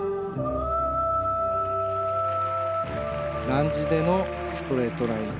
ランジでのストレートライン。